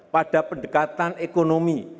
pada pendekatan ekonomi